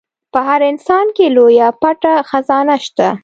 په هر انسان کې لويه پټه خزانه شته.